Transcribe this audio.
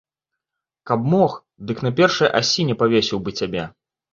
Каб мог, дык на першай асіне павесіў быў цябе.